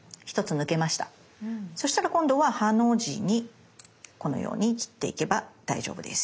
そしたら今度は「ハ」の字にこのように切っていけば大丈夫です。